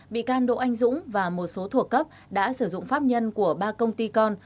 bị can đỗ anh dũng và một số thuộc cấp đã sử dụng pháp nhân của ba công ty con